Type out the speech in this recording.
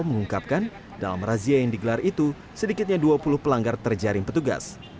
mengungkapkan dalam razia yang digelar itu sedikitnya dua puluh pelanggar terjaring petugas